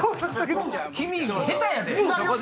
君下手やで。